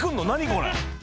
これ。